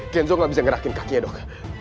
kenzo gak bisa ngerahin kakinya dok